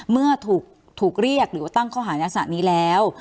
เมื่อถูกเรียกหรือว่าตั้งข้อหารักษณะนี้แล้ว